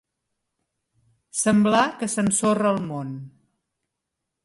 Semblar que s'ensorra el món.